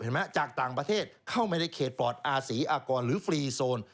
จากต่างประเทศเข้ามาในเขตปลอดอาศรีอากรหรือฟรีโซน